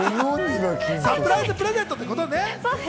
サプライズプレゼントってことね。